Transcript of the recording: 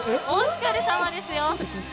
オスカル様ですよ。